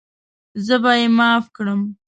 زه به یې معاف کړم.